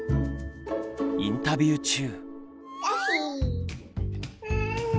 インタビュー中。